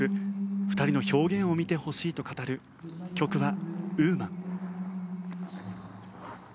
２人の表現を見てほしいと語る曲は『Ｗｏｍａｎ』。